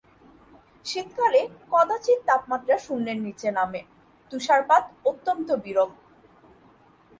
শীতকালে কদাচিৎ তাপমাত্রা শূন্যের নিচে নামে; তুষারপাত অত্যন্ত বিরল।